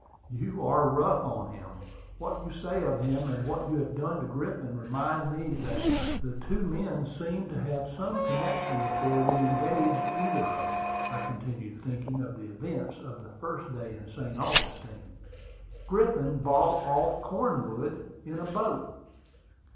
"You are rough on him. What you say of him, and what you have done to Griffin, remind me that the two men seemed to have some connection before we engaged either of them," I continued, thinking of the events of that first day in St. Augustine. "Griffin brought off Cornwood in a boat."